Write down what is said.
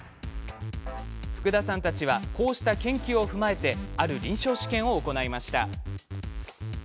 福田さんたちはこうした研究を踏まえてある臨床試験を行いました。